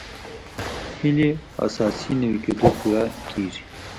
هیلې اساسي نوي کېدو پوره کېږي.